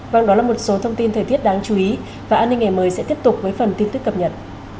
vâng đó là một số thông tin thời tiết đáng chú ý và an ninh ngày mới sẽ tiếp tục với phần tin tức cập nhật